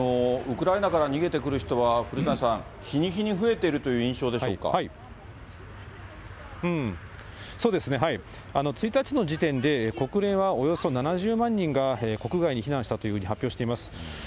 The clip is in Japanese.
ウクライナから逃げてくる人は、古谷さん、日に日に増えていそうですね、１日の時点で、国連はおよそ７０万人が国外に避難したというふうに発表しています。